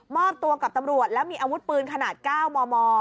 อบตัวกับตำรวจแล้วมีอาวุธปืนขนาด๙มม